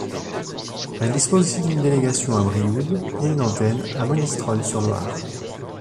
Elle dispose aussi d'une délégation à Brioude et une antenne à Monistrol-sur-Loire.